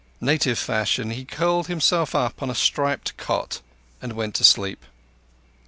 Native fashion, he curled himself up on a stripped cot and went to sleep.